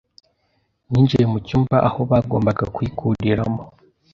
Ninjiye mu cyumba aho bagombaga kuyikuriramo